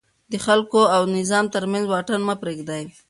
د خلکو او نظام ترمنځ واټن مه پرېږدئ.